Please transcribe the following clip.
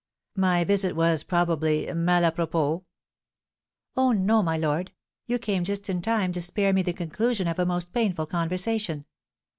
"My visit was, probably, mal à propos?" "Oh, no, my lord! You came just in time to spare me the conclusion of a most painful conversation."